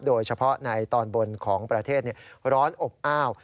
โดยเฉพาะในตอนบนของประเทศร้อนอบอ้าว